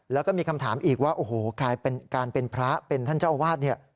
แล้วก็มีคำถามอีกว่าการเป็นพระเป็นท่านเจ้าอวาส